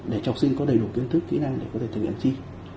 để cho học sinh có đầy đủ kiến thức kỹ năng để có thể thực hiện chi